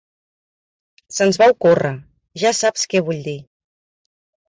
Se"ns va ocórrer, ja saps què vull dir.